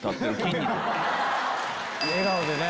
笑顔でね。